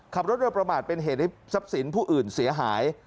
ขับรถโดยประมาทเป็นเหตุให้ทรัพย์สินผู้อื่นเสียหาย